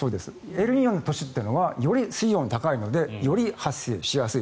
エルニーニョの年というのはより水温が高いのでより発生しやすい。